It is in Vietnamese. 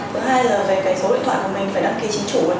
thứ hai là về cái số điện thoại của mình phải đăng ký chính chủ